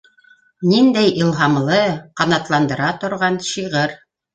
Ниндәй илһамлы, ҡанатландыра торған шиғыр.